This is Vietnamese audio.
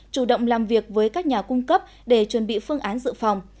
chủ động làm việc với các nhà cung cấp để chuẩn bị phương án dự phòng